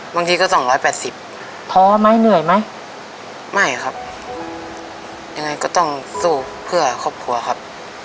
บางทีก็สองร้อยแปดสิบท้อไหมเหนื่อยไหมไม่ครับยังไงก็ต้องสู้เพื่อครอบครัวครับ